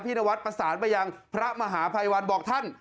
นวัดประสานไปยังพระมหาภัยวันบอกท่าน